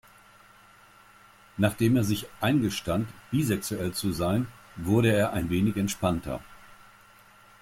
Nachdem er sich eingestand, bisexuell zu sein, wurde er ein wenig entspannter.